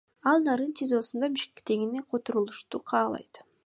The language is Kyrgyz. Ал Нарын ТИЗОсунан Бишкектикине которулушту каалайт.